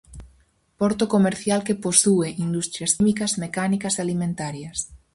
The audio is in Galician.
Porto comercial que posúe industrias químicas, mecánicas e alimentarias.